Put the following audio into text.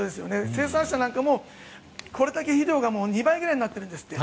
生産者なんかもこれだけ肥料が２倍ぐらいになってるんですって。